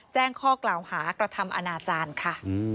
แจ้งข้อกล่าวหากระทำอนาจารย์ค่ะ